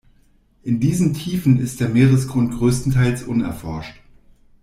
In diesen Tiefen ist der Meeresgrund größtenteils unerforscht.